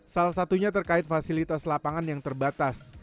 salah satunya terkait fasilitas lapangan yang terbatas